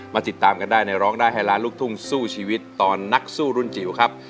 ติดตามกันได้ในร้องได้ให้ล้านลูกทุ่งสู้ชีวิตตอนนักสู้รุ่นจิ๋วครับ